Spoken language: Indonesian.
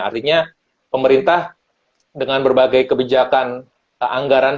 artinya pemerintah dengan berbagai kebijakan anggaran